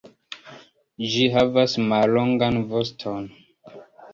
Ĝi havas mallongan voston.